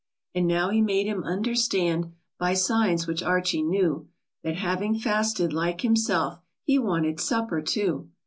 And now he made him understand By signs which Archie knew, That, having fasted like himself, He wanted supper too.